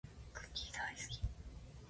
クッキーだーいすき